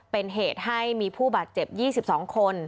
เป็นเหตุให้มีผู้บาดเจ็บ๒๒คน